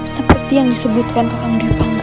seperti yang disebutkan pak kangdui pangga